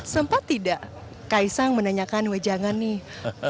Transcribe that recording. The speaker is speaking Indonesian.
sempat tidak kaisang menanyakan wejangan nih